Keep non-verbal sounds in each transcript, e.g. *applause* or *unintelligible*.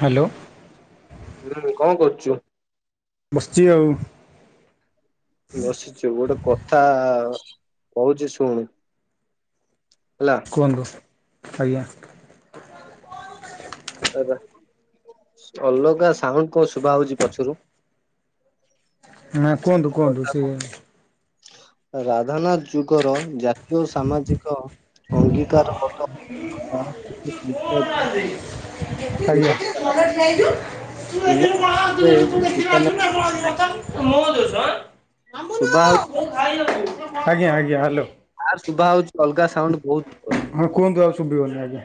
Hello. ହୁଁ କଣ କର୍ଚୁ? ବସ୍ ଚି ଆଉ। ବସିଛୁ, ଗୋଟେ କଥା କହୁଛି ଶୁଣୁ। ହେଲା। କୁହନ୍ତୁ, ଆଜ୍ଞା। ଏବେ ଅଲଗା ସାଉଣ୍ଡ୍ କୋଉ ଶୁଭା ହୋଉଛି ପଛରୁ। ନା କୁହନ୍ତୁ, କୁହନ୍ତୁ ସେ ରାଧାନାଥ୍ ଯୁଗର ଜାତୀୟ ଓ ସାମାଜିକ। ଅଙ୍ଗୀକାର ମତ *unintelligible* ଆଜ୍ଞା ପିଲାଟେ ପିତା ମ *unintelligible* ମୋ ଦୋଷ ଆଁ। ଶୁଭା ହୋଉ ଆଜ୍ଞା ଆଜ୍ଞା ହାଲୋ। ଆର ଶୁଭା ହଉଚି ଅଲଗା ସାାଉଣ୍ଡ ବହୁତ ପୁରା। ହଁ କୁହନ୍ତୁ ଆଉ ଶୁଭିବନି ଆଜ୍ଞା।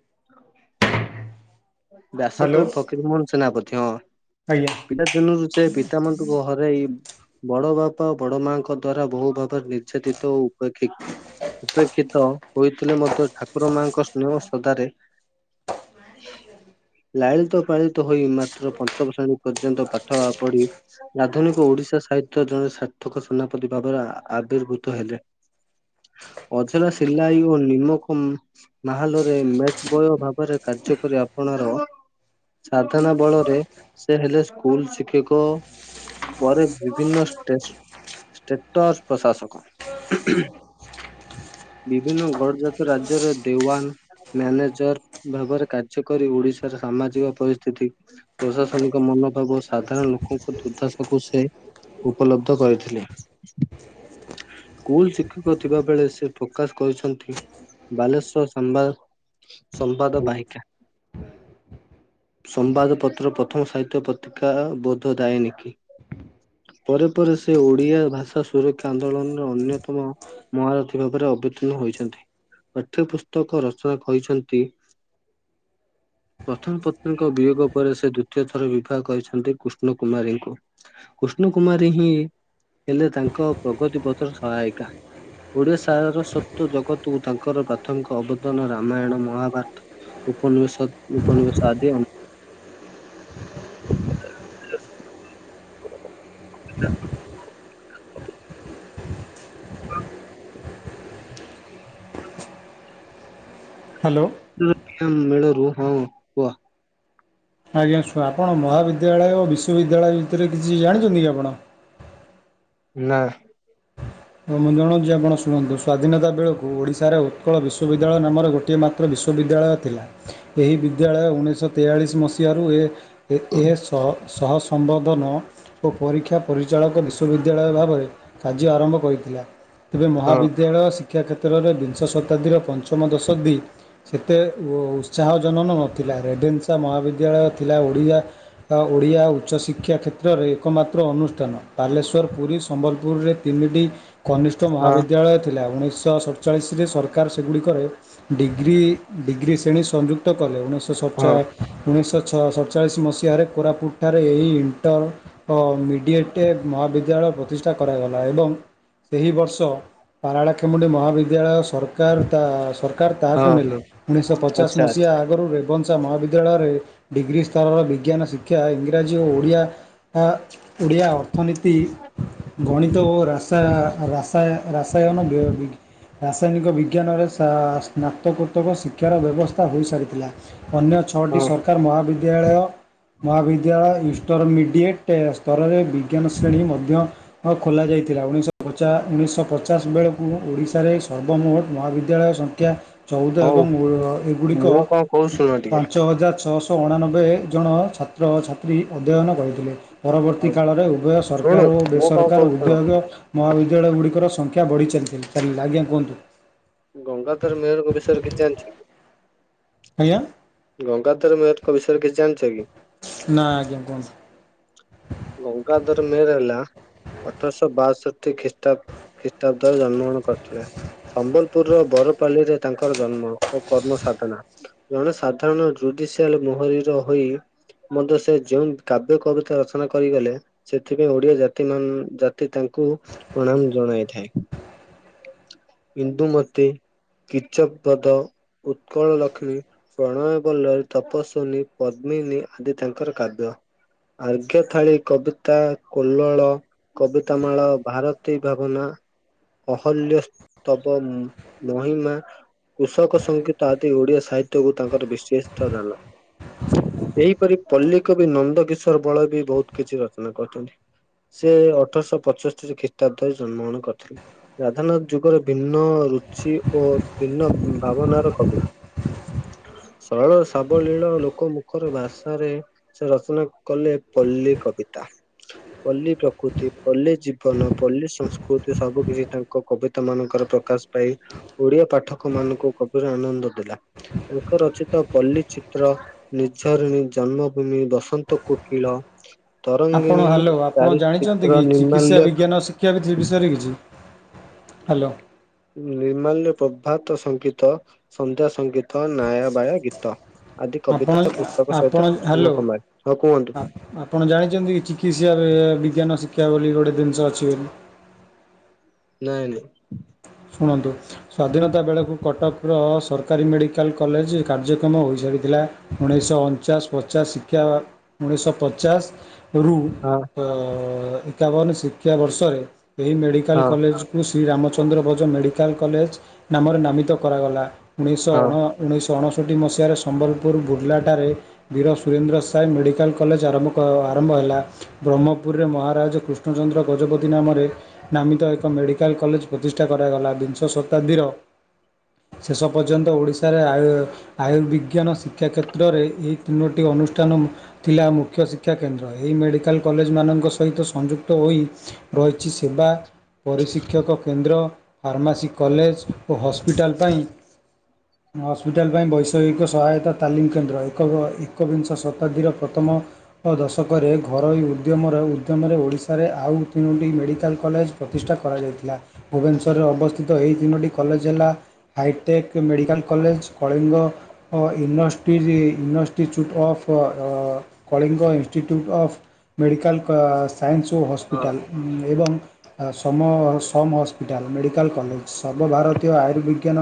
*inaudible* ବ୍ୟାସ ହ୍ୟାଲୋ କବ ଫକିର ମୋହନ ସେନାପତି ହଁ ଆଜ୍ଞା ପିଲା ଦିନରୁ ସେ ପିତାମାତାଙ୍କୁ ହରାଇ ବଡ ବାପା ବଡ ମାଆଙ୍କ ଦ୍ଵାରା ବହୁ ଭାବରେ ନିର୍ଯାତିତ ଓ ଉପେକ୍ଷି ଉପେକ୍ଷିତ ହୋଇଥିଲେ ମଧ୍ୟ ଠାକୁର ମାଙ୍କ ସ୍ନେହ ଶଦ୍ଧାରେ ଲାଳିତ ପାଳିତ ହୋଇ ମାତ୍ର ପଞ୍ଚମ ଶ୍ରେଣୀ ପର୍ଯ୍ୟନ୍ତ ପାଠ ପଢି। ଆଧୁନିକ ଓଡିଶା ସାହିତ୍ୟ ଜଣେ ସାର୍ଥକ ସେନାପତି ଭାବରେ ଆ ଆବିର୍ଭୁତ ହେଲେ। ଅଜରା ସିଲାଇ ଓ ନିମୋଖୁମ୍। ମାହଲରେ ମେଟ ବୟ ଭାବରେ କାର୍ଯ୍ୟକରି ଆପଣାର ସାଧନା ବଳରେ ସେ ହେଲେ ସ୍କୁଲ ଶିକ୍ଷକ। ପରେ ବିଭିନ୍ନ ଟେଷ୍ଟ। ଷ୍ଟେଟର ପ୍ରଶାସକ ହୁଁହୁଁ। ବିଭିନ୍ନ ଗଡଜାତ ରାଜ୍ୟର ଦେୱାନ ମ୍ୟାନେଜର ଭାବରେ କା ଯେ କରି ଓଡିଶାର ସାମାଜିକ ପରିସ୍ଥିତି। ପ୍ରଶାସନିକ ମନୋଭାବ ସାଧାରଣ ଲୋକଙ୍କ ଦୁର୍ଦ୍ଦାଶାକୁ ସେ ଉପଲବ୍ଧ କରିଥିଲେ। ସ୍କୁଲ ଶିକ୍ଷକ ଥିବାବେଳେ ସେ ପ୍ରକାଶ କରିଛନ୍ତି। ବାଲେଶ୍ଵର ସମ୍ବାଦ ସମ୍ବାଦ ବାହିକା। ସମ୍ବାଦପତ୍ର ପ୍ରଥମ ସାହିତ୍ୟ ପତ୍ରିକା ବୋଧ ଦାଇନି। ପରେ ପରେ ସେ ଓଡିଆ ଭାଷା ସୁରକ୍ଷା ଆନ୍ଦୋଳନରେ ଅନ୍ୟତମ ମହାରଥୀ ଭାବରେ ଅବିତୀର୍ଣ୍ଣ ହୋଇଛନ୍ତି ପାଠ୍ୟ ପୁସ୍ତକ ରଚନା କହିଛନ୍ତି। ପ୍ରଥମ ପତ୍ନୀଙ୍କ ବିୟୋଗ ପରେ ସେ ଦ୍ଵିତୀୟ ଥର ବିବାହ କରିଛନ୍ତି କୃଷ୍ଣ କୁମାରୀଙ୍କୁ କୃଷ୍ଣ କୁମାରୀହିଁ ହେଲେ ତାଙ୍କ ପ୍ରଗତି ପଥର ସହାୟିକା। ଓଡ଼ିଆଶାର ସତ୍ବ ଜଗତକୁ ତାଙ୍କର ପ୍ରାଥମିକ ଅବଦାନ ରାମାୟଣ ମହାଭାରତ। ଉପନିବେଶତ ଉପନିବେଶ ଆଦି ଆଉ। ହାଲୋ। *unintelligible* ମେଳରୁ ହଁ। କୁହ। ଆଜ୍ଞା ସାର ଆପଣ ମହାବିଦ୍ୟାଳୟ ଓ ବିଶ୍ୱବିଦ୍ୟାଳୟ ଭିତରେ କିଛି ଜାଣିଛନ୍ତିକି ଆପଣ? ନାଁ। ହଁ ମୁଁ ଜଣଉଛି ଆପଣ ଶୁଣନ୍ତୁ ସ୍ୱାଧୀନତା ବେଳକୁ ଓଡ଼ିଶାର ଉତ୍କଳ ବିଶ୍ୱବିଦ୍ୟାଳୟ ନାମର ଗୋଟିଏ ମାତ ତ୍ର ବିଶ୍ୱବିଦ୍ୟାଳୟ ଥିଲା ଏହି ବିଦ୍ୟାଳୟ ଉଣେଇଶହ ତେୟାଳିଶ ମସିହାରୁ ଏ ଏ ଏସହ ସହ ସମ୍ବର୍ଦ୍ଧନ ଓ ପରୀକ୍ଷା ପରିଚାଳକ ବିଶ୍ୱବିଦ୍ୟାଳୟ ଭାବରେ କାର୍ଯ୍ୟ ଆରମ୍ଭ କରିଥିଲା ତେବେ ହଁ ମହାବିଦ ବିଦ୍ୟାଳୟ ଶିକ୍ଷା କ୍ଷେତ୍ରରେ ବିଂଶ ଶତାବ୍ଦୀର ପଞ୍ଚମ ଦଶଦି ସେତେ ଉତ୍ସାହଜନନ ନଥିଲା ରେଭେନ୍ସା ମହାବିଦ୍ୟାଳୟ ଥିଲା ଓଡି଼ଆ ତ ଓଡ଼ିଆ ଉଚ୍ଚ ଶିକ୍ଷ ଶିକ୍ଷା କ୍ଷେତ୍ରରେ ଏକମାତ୍ର ଅନୁଷ୍ଠାନ ବାଲେଶ୍ୱର ପୁରୀ ସମ୍ବଲପୁରରେ ତିନିଟି କନିଷ୍ଠ ହଁ ମହାବିଦ୍ୟାଳୟ ଥିଲା ଉଣେଇଶହ ଶଚ ସଚାଳିଶରେ ସରକାର ସେଗୁଡ଼ିକରେ ଡିଗ୍ରୀ ଡିଗ୍ରୀ ଶ୍ରେଣୀ ସଂଯୁକ୍ତ କଲେ ଉଣେଇଶହ। ସଚା ହଁ ଉଣେଇଶହଛ ସତଚାଳିଶ ମସିହାରେ କୋରାପୁଟ ଠାରେ ଏହି ଇଣ୍ଟର ମିଡ଼ିଏଟେ ମହାବିଦ୍ୟାଳୟ ପ୍ରତିଷ୍ଠା କରାଗଲା ଏବଂ ଏହି ବର୍ଷ ପାରାଳାଖେମୁଣ୍ଡି ମହାବିଦ୍ୟାଳୟ ସରକାର ତା ସ ତାହାକୁ ହଁ ନେଲେ ଉଣେଇଶହ ପଚାଶ ଆଚ୍ଛା ଆଚ୍ଛା ମସିହା ଆଗରୁ ରେବନ ଉଚ ମହାବିଦ୍ୟାଳୟରେ ଡିଗ୍ରୀ ସ୍ତରର ବିଜ୍ଞାନ ଶିକ୍ଷା ଇଂରାଜୀ ଓ ଓଡ଼ିଆ ଆ ଓଡ଼ିଆ ଅର୍ଥନୀତି ଗଣିତ ଓ ରାସା ରାସାୟ ରାସାୟନ ବ୍ୟୟ ବିିକ୍ ରାସାୟନିକ ବିଜ୍ଞାନରେ ସ୍ନାତକୋତ୍ତକ ଶିକ୍ଷାର ବ୍ୟବସ୍ଥା ହୋଇସାରିଥିଲା। ଅନ୍ୟ ଛଅଟି ହଁ ସରକାର ମହାବିଦ୍ୟାଳୟ ମହାବିଦ୍ୟାଳୟ ଇଣ୍ଟରମିଡ଼ିଏଟ୍ ସ୍ତରରେ ବିଜ୍ଞାନ ଶ୍ରେଣୀ ମଧ୍ୟ ଆଉ ଖୋଲା ଯାଇଥିଲା ଉଣେଇଶ କଚା ଉଣେଇଶହ ପଚାଶ ବେଳକୁ ଓଡ଼ିଶାରେ ସର୍ବମୋଟ ମହାବିଦ୍ୟାଳୟ ସଂଖ୍ୟା ଚଉଦ ହଉ ଏବଂ ଏଗୁଡ଼ିକ ମୁଁ କଣ କହୁଛି ଶୁଣ ଟିକେ ପାଞ୍ଚ ହଜାର ଛଅଶହ ଅଣାନବେ ଜଣ ଛାତ୍ରଛାତ୍ରୀ ଅଧ୍ୟୟନ କରିଥିଲେ। ପରବର୍ତ୍ତୀ ହଉ କାଳରେ ଉଭୟ ଶୁଣୁ ସରକାର ଓ ମୁଁ କଣ ବେସରକାର କହୁଛି ଶୁଣ। ଉଦ୍ୟୋଗ ମହାବିଦ୍ୟାଳୟ ଗୁଡ଼ର ସଂଖ୍ୟା ବଢ଼ି ଚାଲିିାଲିଲ। ଆଜ୍ଞା କୁହନ୍ତୁ ଗଙ୍ଗାଧର ମେହରଙ୍କ ବିଷୟରେ କିଛି ଜଣିଚକି? କଜ୍ଞା। ଗଙ୍ଗାଧର ମେହେରଙ୍କ ବିଷୟରେ କିଛି ଜାଣିଛ କି? ନା ଆଜ୍ଞା କୁହନ୍ତୁ। ଗଙ୍ଗାଧର ମେହେର ହେଲା ଅଠରଶହ ବାଷଠି ଖ୍ରୀଷ୍ଟାବ ଖ୍ରୀଷ୍ଟାବ୍ଦରେ ଜନ୍ମଗ୍ରହଣ କରିଥିଲେ। ସମ୍ବଲପୁରର ବରପାଲିରେ ତାଙ୍କର ଜନ୍ମ ଓ କର୍ମ ସାଧନା। ଜଣେ ସାଧାରଣ ଜୁଡିସିଆଲ ମହରିର ହୋଇ ମତେ ସେ ଯୋଉ କାବ୍ୟ କବିତା ଆମେ କରିଗଲେ ସେଥିପାଇଁ ଓଡିଆ ଜାତି ମନ୍ ଜାତି ତାଙ୍କୁ ପ୍ରଣାମ ଜଣାଇଥାଏ କିନ୍ତୁ ମତେ କିୀଚବଧ ଉତ୍କଳ ଲକ୍ଷ୍ମୀ ପ୍ରଣୟ ବଲ୍ଲର, ତପସ୍ୱିନୀ, ପଦ୍ମିନୀ ଆଦି ତାଙ୍କର କାବ୍ୟ ଆ ମୁଖ୍ୟ ଥାଳିୀ କବିତା କୋଲଳ କବିତା ମାଳ ଭାରତୀ ଭାବନା ଅହଲ୍ୟ ତପନ୍ ମଣିମା କୃଷକ ସଙ୍ଗୀତ ଆଦି ଓଡ଼ିଆ ସାହିତ୍ୟକୁ ତାଙ୍କର ବିଶେଥ ଦାନ। ଏହିଇପରି ପଲ୍ଲୀି କବି ନନ୍ଦ କିିଶୋର ବଳ ବି ବହୁତ କିଛି ରଚନା କରୁଚନ୍ତି। ସେ ଅଠରଶହ ପଞ୍ଚସ୍ତିରି ଖ୍ରୀଷ୍ଟାବ୍ଦରେ ଜନ୍ମ ଗ୍ରହଣ କରିଥିଲେ। ରାଧା ନଥ ଯୁଗର ଭିନ୍ନ ରୁଚି ଓ ଭିନ୍ନ ଭାବନାର କବି ସରଳ ସାବଳୀଳ ଲୋକ ମୁଖର ଭଷାରେ ସେ ରଚନା କଲେ ପଲ୍ଲୀ କବିତା। ପଲ୍ଲୀ ପ୍ରକୃତି, ପଲ୍ଲୀ ଜୀବନ, ପଲ୍କ ସଂସ୍କୃତି ସବୁ କିଛି ତାଙ୍କ ତାଙ୍କ କବିତା ମାନଙ୍କର ପ୍ରକାଶ ପାଇ ଓଡିଆ ପାଠକ ମାନଙ୍କୁ କବିର ଆନନ୍ଦ ଥିଲା। ଏକର ଅଛି ତ ପଲ୍ଲିୀ ଚିତ୍ର ନିର୍ଝରିଣୀ ଜନ୍ମଭୂମି ବସନ୍ତ କୋକିଳ ଆପଣ ତରଙ୍ଗିଣୀ ହାଲୋ ଆପଣ ଚାରି ଜାଣିଛନ୍ତି ଚିତ୍ର କି ଚିକିତ୍ସା ନିର୍ମାଲ୍ୟ ବିଜ୍ଞାନ ସେ କିଆ ବିସୟରେ କିଛି ହାଲୋ ନିର୍ମାଲ୍ୟ ପ୍ରଭାତ ସଙ୍ଗୀତ, ସନ୍ଧ୍ୟା ସଙ୍ଗୀତ, ନାୟାବାୟା ଗୀତ ଆଦି ଆପଣ କବିତା ପୁସ୍ତକ ଆପଣ ସହିତ ନ ହ୍ୟାଲୋ *unintelligible* ହଁ କୁହନ୍ତୁ? ଆପଣ ଜାଣିଛନ୍ତି ଚିକିତ୍ସା ବିଜ୍ଞାନ ଶିକ୍ଷା ବୋଲି ଗୋଟେ ଜିନିଷ ଅଛି ବୋଲି ନାଇଁ ନାଇଁ ଶୁଣନ୍ତୁ ସ୍ଵାଧୀନତା ବେଳକୁ କଟକର ସରକାରୀ ମେଡ଼ିକାଲ କଲେଜ୍ କାର୍ଯ୍ୟକ୍ରମ ହୋଇସାରିଥିଲା। ଉଣେଇଶହ ଅଣଚାଶ ପଚାଶ ଶିକ୍ଷା ଉଣେଇଶହ ପଚାଶ ରୁ ହଁ ଏକାବନ ଶିକ୍ଷାବର୍ଷରେ ଏହି ମେଡ଼ିକାଲ ହଁ କଲେଜ଼ କୁ ଶ୍ରୀରାମଚନ୍ଦ୍ର ବଦ୍ ମେଡ଼ିକାଲ କଲେଜ୍ ନାମରେ ନାମିତ କରାଗଲା ଉଣେଇଶ ହଁ ଅଣ ଉଣେଇଶହ ଅଣଷଠି ମସିହାରେ ସମ୍ବଲପୁର ବୁର୍ଲାଠାରେ ବୀର ସୁରେନ୍ଦ୍ର ସ ସଏ ମେଡ଼ିକାଲ୍ କଲେଜ୍ ଆରମ୍ଭ କ ଆରମ୍ଭ ହେଲା। ବ୍ରହ୍ମପୁରରେ ମହାରାଜା କୃଷ୍ଣଚନ୍ଦ୍ର ଗଜପତି ନାମରେ ନାମିତ ଏକ ମେଡିକାଲ କଲେଜ୍ ପ୍ରତିଷ କରାଗଲା ବିଂଶ ଶତାବ୍ଦୀର ଶେଷ ପର୍ଯ୍ୟନ୍ତ ଓଡିଶାରେ ଆୟ ଆୟୁର୍ବିଜ୍ଞାନ ଶିକ୍ଷା କ୍ଷେତ୍ରରେ ଏହି ତିନୋଟି ଅନୁଷ୍ଠାନ ଥିଲା ମୁଖ୍ୟ ଶିକ୍ଷା କେନ୍ଦ୍ର ଏହି ମେଡିକାଲ୍ କଲେଜ୍ ମାନଙ୍କ ସହିତ ସଂଯୁକ୍ତ ହୋଇ ରହିଛି ସେବା ପରିଶିକ୍ଷକ କେନ୍ଦ୍ର ଫାର୍ମାସି କଲେଜ୍ ଓ ହସ୍ପିଟାଲ ପାଇଁ *inaudible* ହସ୍ପିଟାଲ୍ ପାଇଁ ବୈଷୟିକ ସହାୟତା ତାଲିମ୍ କେନ୍ଦ୍ର ଏକ ଏକବିଂଶ ଶତାବ୍ଦୀର ପ୍ରଥମ ଅଠ ଦଶକରେ ଘରୋଇ ଉଦ୍ୟମର ଉଦ୍ୟମରେ ଓଡ଼ିଶାରେ ଆଉ ତିନୋଟି ମେଡ଼ିକାଲ କଲେଜ୍ ପ୍ରତିଷ୍ଠା କରାଯାଇଥିଲା। ଭୁବନେଶ୍ୱରରେ ଅବସ୍ଥିତ ଏହି ତିନୋଟି କଲେଜ ହେଲା। ହାଇଟେକ୍ ମେଡ଼ିକାଲ୍ କଲେଜ, କଳିଙ୍ଗ ଇନଷ୍ଟି institute of Kalinga institute of medical କା ସାଇନ୍ସ ଓ ହଁ ହସ୍ପିଟାଲ୍ ଏବଂ SUM SUM hospital medical college ସର୍ବଭାରତୀୟ ଆୟୁର୍ବିଜ୍ଞାନ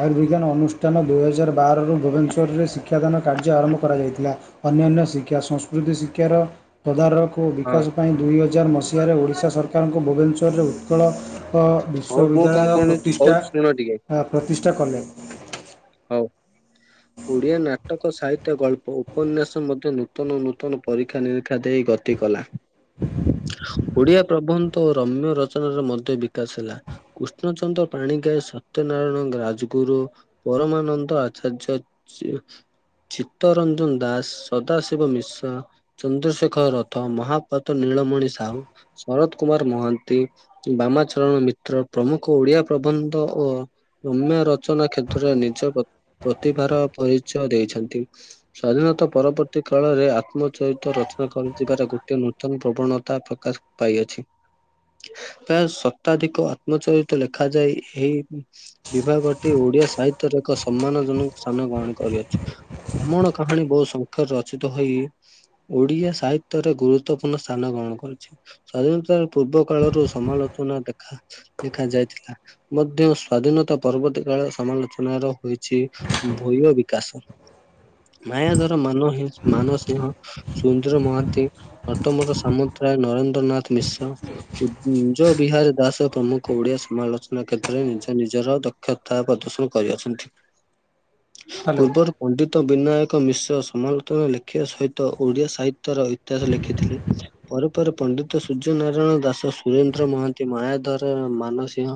ଆୟୁର୍ବିଜ୍ଞାନ ଅନୁଷ୍ଠାନ ଦୁଇହଜାର ବାରରୁ ଭୁବନେଶ୍ୱରରେ ଶିକ୍ଷାଦାନ କାର୍ଯ୍ୟ ଆରମ୍ଭ କରାଯାଇଥିଲା। ଅନ୍ୟାନ୍ୟ ଶିକ୍ଷା ସଂସ୍କୃତି ଶିକ୍ଷାର ତଦାରଖ ଓ ହଁ ବିକାଶ ପାଇଁ ଦୁଇ ହଜାର ମସିହାରେ ଓଡ଼ିଶା ସରକାରଙ୍କୁ ଭୁବନେଶ୍ୱରରେ ଉତ୍କଳ ହଉ ମୁଁ କଣ ବିଶ୍ୱବିଦ୍ୟାଳୟ କଣ କହୁଛି ଶୁଣ ଟିକେ ପ୍ରତିଷ୍ଠା ପ୍ରତିଷ୍ଠା କଲେ। ହଉ ଓଡିଆ ନାଟକ ସାହିତ୍ୟ ଗଳ୍ପ ଉପନ୍ୟାସ ମଧ୍ୟ ନୂତନ ନୂତନ ପରୀକ୍ଷା ନିରୀକ୍ଷା ଦେଇ ଗତି କଲା। ଓଡିଆ ପ୍ରବନ୍ଧ ଓ ରମ୍ୟ ରଚନାର ମଧ୍ୟ ବିକାଶ ହେଲା। କୃଷ୍ଣଚନ୍ଦ୍ର ପାଣିଗ୍ରାହୀ ସତ୍ୟନାରାୟଣ ରାଜଗୁରୁ ପରମାନନ୍ଦ ଆଚାର୍ଯ୍ୟ ଚି ଚିତ୍ତରଞ୍ଜନ ଦାସ୍, ସଦାଶିବ ମିଶ୍ର ଚନ୍ଦ୍ରଶେଖର ରଥ, ମହାପାତ୍ର ନୀଳମଣି, ସାହୁ ଶରତ କୁମାର ମହାନ୍ତି ବାମାଚରଣ ମିତ୍ର ପ୍ରମୁଖ ଓଡିଆ ପ୍ରବନ୍ଧ ଓ ରମ୍ୟ ରଚନା କ୍ଷେତ୍ର ନିଜ ପ୍ରତିଭାର ପରିଚୟ ଦେଇଛନ୍ତି। ସ୍ଵାଧୀନତା ପରବର୍ତ୍ତୀ କାଳରେ ଆତ୍ମଚରିତ ରଚନା କରାଯିବାର ଗୋଟିଏ ନୂତନ ପ୍ରବଣତା ପ୍ରକାଶ ପାଇଅଛି। ପ୍ରାୟ ଶତାଧିକ ଆତ୍ମଚରିତ ଲେଖାଯାଇ ଏହି ବିଭାଗଟି ଓଡିଆ ସାହିତ୍ୟର ଏକ ସମ୍ମାନଜନକ ସ୍ଥାନ ଗ୍ରହଣ କରିଅଛି। କମଣ କାହାଣୀ ବହୁ ସଂଖ୍ୟାରେ ରଚିତ ହୋଇ ଓଡ଼ିଆ ସାହିତ୍ୟରେ ଗୁରୁତ୍ୱପୂର୍ଣ୍ଣ ସ୍ଥାନ ଗ୍ରହଣ କରିଛି। ସ୍ଵାଧୀନତାର ପୂର୍ବ କାଳ ର ସମାଲୋଚନା ଦେଖା। ଲେଖା ଯାଇଥିଲା ମଧ୍ୟ ସ୍ଵାଧୀନତା ପରର୍ବତୀ କାଳରେ ସମା ଚନା ର ହୋଇଛି ଭୂୟ ବିକାଶ। ମାୟା ଧର ମାନ ମାନସିଂହ ସୁନ୍ଦର ମହାନ୍ତି ନଟବର ସାମନ୍ତରାୟ ନରେନ୍ଦ୍ରନାଥ ମିଶ୍ର କୁ କୁଞ୍ଜ ବିହାରୀ ଦାସ ପ୍ରମୁଖ ଓଡିଆ ସମାଲୋଚନା କ୍ଷେତ୍ରରେ ନିଜ ନିଜର ଦକ୍ଷତା ପ୍ରଦର୍ଶନ କରିଅଛନ୍ତି ହ୍ୟାଲୋ ପୂର୍ବରୁ ପଣ୍ଡିତ ବିନାୟକ ମିଶ୍ର ସମାଲୋଚନା ଲେଖିବା ସହିତ ଓଡିଆ ସାହିତ୍ୟର ଇତିହାସ ଲେଖିଥିଲେ। ପରେ ପରେ ପଣ୍ଡିତ ସୂର୍ଯ୍ୟ ନାରାୟଣ ଦାସ ସୁରେନ୍ଦ୍ର ମହାନ୍ତି ମାୟାଧର ମାନସିିଂହ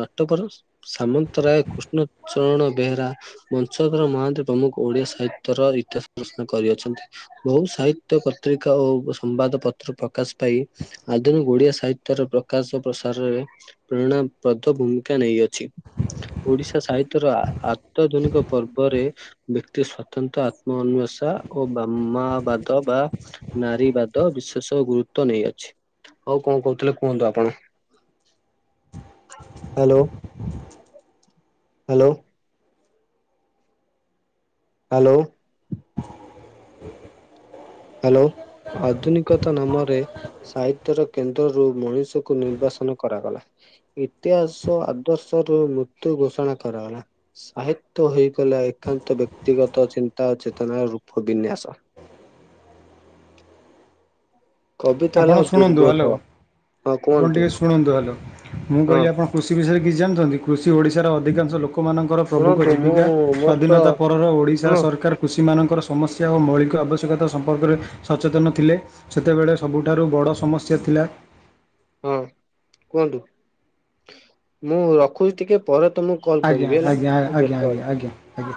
ନଟବର ସାମନ୍ତରାୟ କୃଷ୍ଣଚରଣ ବେହେରା ବଂଶଧର ମହାନ୍ତି ପ୍ରମୁଖ ଓଡ଼ିଆ ସାହିତ୍ୟର ଇତିହାସ ପ୍ରଶ କରିଅଛନ୍ତି। ବହୁ ସାହିତ୍ୟ ପତ୍ରିକା ଓ ସମ୍ବାଦ ପତ୍ର ପ୍ରକାଶ ପାଇ ଆଧୁନିକ ଓଡିଆ ସାହିତ୍ୟର ପ୍ରକାଶ ପ୍ରସାରରେ ପ୍ରେରଣାବଦ୍ଧ ଭୂମିକା ନେଇଅଛି ଓଡିଶା ସାହି ତର ଆତାଧୁନିକ ପର୍ବରେ ବ୍ୟକ୍ତି ସ୍ଵତନ୍ତ୍ର ଆତ୍ମଅନ୍ୱେଷା ଓ ମାମାବାଦ ବା ନାରୀବାଦ ବିଶେଷ ଗୁରୁତ୍ଵ ନେଇଅଛି। ହଉ କଣ କହୁଥିଲେ କୁହନ୍ତୁ ଆପଣ ହ୍ୟାଲୋ ହ୍ୟାଲୋ ହ୍ୟାଲୋ ହ୍ୟାଲୋ ଆଧୁନିକ ନାମରେ ସାହିତ୍ୟର କେନ୍ଦ୍ରରୁ ମଣିଷକୁ ନିର୍ବାସନ କରାଗଲା। ଇତିହାସ ଆଦର୍ଶ ର ମୃତ୍ୟୁ ଘୋଷଣା କରାଗଲା। ସାହିତ୍ୟ ହେଇଗଲା ଏକାନ୍ତ ବ୍ୟକ୍ତିଗତ ଚିନ୍ତା ଚେତନାର ରୂପ ବିନ୍ୟାସ। କବିତା ଆପଣ ହେଲା ଶୁଣନ୍ତୁ ଦୁର୍ବୋଧ ହ୍ୟାଲୋ ହଁ ଆପଣ କୁହନ୍ତୁ ଟିକେ ଶୁଣନ୍ତୁ ହ୍ୟାଲୋ ମୁଁ ହଁ। କହିଲି ଆପଣ କୃଷି ବିଷୟରେ କିଛି ଜାଣିଛନ୍ତି? କୃଷି ଓଡ଼ିଶାର ଅଧିକାଂଶ ଲୋକମାନଙ୍କର ପ୍ରଭୁଖ ଶୁଣନ୍ତୁ ମୁଁ ଜୀବିକା ମୋର ତ ସ୍ୱାଧୀନତା ପରର ଓଡ଼ିଶା ଶୁଣ ସରକାର କୃଷିମାନଙ୍କର ସମସ୍ୟା ଓ ମୌଳିକ ଆବଶ୍ୟକତା ସମ୍ପର୍କରେ ସଚେତନ ଥିଲେ ସେତେବେଳେ ସବୁଠାରୁ ବଡ଼ ସମସ୍ୟା ଥିଲା ହଁ କୁହନ୍ତୁ ମୁଁ ରଖୁଛି ଟିକେ ପରେ ତମକୁ କଲ୍ ଆଜ୍ଞା କରିବି ହେଲା ଆଜ୍ଞା ମୁଁ ଆଜ୍ଞା ବ୍ୟସ୍ତ ଆଜ୍ଞା ଅଛି। ଆଜ୍ଞା ଆଜ୍ଞା